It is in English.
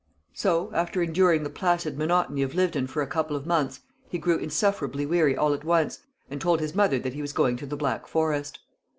So, after enduring the placid monotony of Lyvedon for a couple of months, he grew insufferably weary all at once, and told his mother that he was going to the Black Forest.